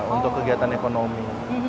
untuk kegiatan ekonomi